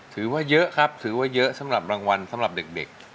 ถือว่าเยอะครับถือว่าเยอะสำหรับรางวัลสำหรับเด็ก